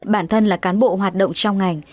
bản thân là cán bộ hoạt động trong ngành